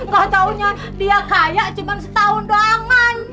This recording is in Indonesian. kau tahunya dia kaya cuma setahun doangan